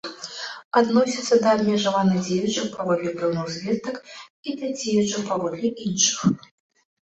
Адносіцца да абмежавана дзеючых паводле пэўных звестак і да дзеючых паводле іншых.